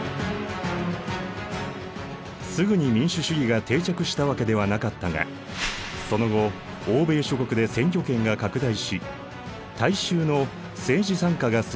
すぐに民主主義が定着したわけではなかったがその後欧米諸国で選挙権が拡大し大衆の政治参加が進んでいった。